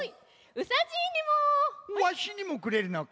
わしにもくれるのかい？